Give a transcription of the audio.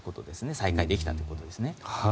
再開できたということですね。